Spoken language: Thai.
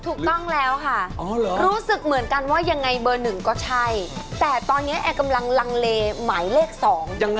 ถูกต้องแล้วค่ะรู้สึกเหมือนกันว่ายังไงเบอร์หนึ่งก็ใช่แต่ตอนนี้แอร์กำลังลังเลหมายเลขสองยังไง